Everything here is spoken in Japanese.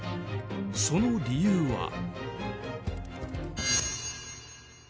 その理由は。